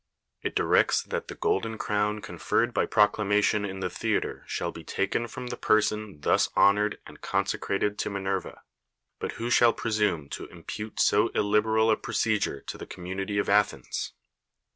It directs that the golden crown conferred by proclamation in the theatei shall be taken from the person thus honored and consecrated to ^Minerva. But who shall presume to impute so i!lib(M'al a ])r()('edure to the com munity of Athens?